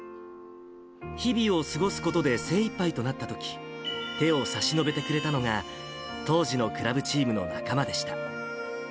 日々を過ごすことで精いっぱいとなったとき、手を差し伸べてくれたのが、当時のクラブチームの仲間でした。